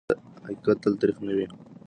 حقیقت تل تریخ نه وي.